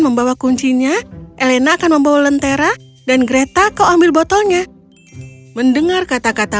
membawa kuncinya elena akan membawa lentera dan greta kau ambil botolnya mendengar kata kata